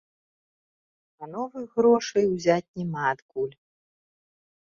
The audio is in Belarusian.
А новых грошай узяць няма адкуль.